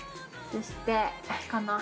そして。